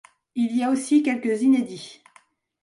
Il y a aussi quelques inédits.